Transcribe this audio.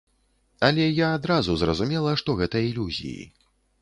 Але я адразу зразумела, што гэта ілюзіі.